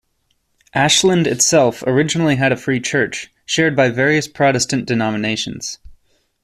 Ashland itself originally had a Free Church, shared by various Protestant denominations.